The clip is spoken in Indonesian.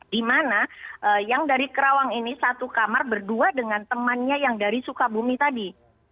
di mana yang dari kerawang ini satu kamar berdua dengan temannya yang dari sukabumi tadi